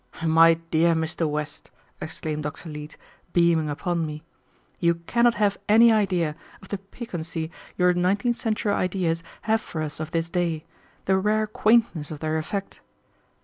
"My dear Mr. West," exclaimed Dr. Leete, beaming upon me, "you cannot have any idea of the piquancy your nineteenth century ideas have for us of this day, the rare quaintness of their effect.